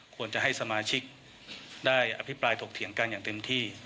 ควรจะให้สมาชิกได้อภิปรายถกเถียงกันอย่างเต็มที่